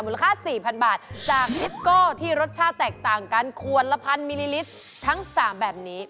ค่า๔๐๐๐บาทจากฮิตโก้ที่รสชาติแตกต่างกันขวดละพันมิลลิลิตรทั้ง๓แบบนี้